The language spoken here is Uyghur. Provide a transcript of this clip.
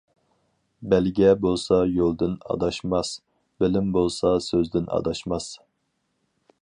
بەلگە بولسا يولدىن ئاداشماس، بىلىم بولسا سۆزدىن ئاداشماس.